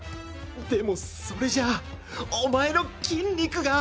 でもそれじゃあお前の筋肉が